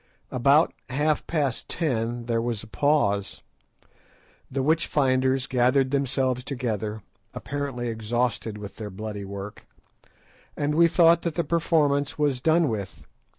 About half past ten there was a pause. The witch finders gathered themselves together, apparently exhausted with their bloody work, and we thought that the performance was done with.